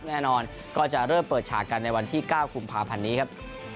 แน่นอนก็จะเริ่มเปิดฉากกันในวันที่๙กุมภาพันธ์นี้ครับ